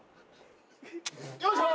よいしょ。